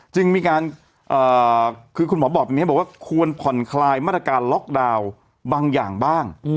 จึงมีการคือคุณหมอบอกแบบนี้บอกว่าควรผ่อนคลายมาตรการล็อกดาวน์บางอย่างบ้าง